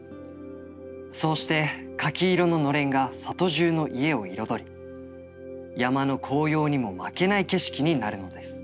そうして柿色ののれんが里中の家を彩り山の紅葉にも負けない景色になるのです。